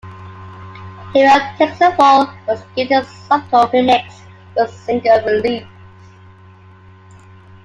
"Hero Takes a Fall" was given a subtle remix for its single release.